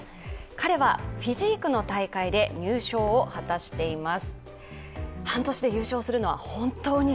彼はフィジークの大会で入賞を果たしています。